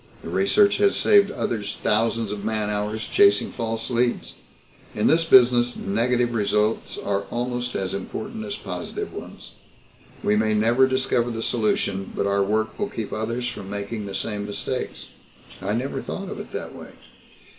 The research has saved others thousands of man hours chasing false leads. In this business negative results are almost as important as positive ones. We may never discover the solution, but our work will keep others from making the same mistakes." "I never thought of it that way."